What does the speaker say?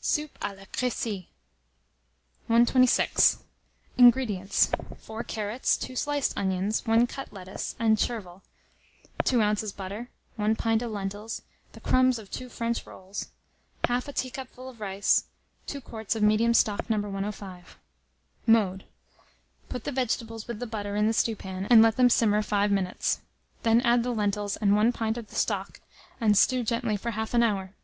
SOUP A LA CRECY. 126. INGREDIENTS. 4 carrots, 2 sliced onions, 1 cut lettuce, and chervil; 2 oz. butter, 1 pint of lentils, the crumbs of 2 French rolls, half a teacupful of rice, 2 quarts of medium stock No. 105. Mode. Put the vegetables with the butter in the stewpan, and let them simmer 5 minutes; then add the lentils and 1 pint of the stock, and stew gently for half an hour.